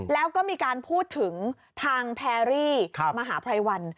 แล้วก็มีการพูดถึงทางแพรรี่มหาภัยวัน